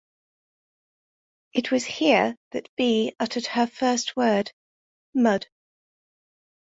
It was here that Bea uttered her first word, "Mud".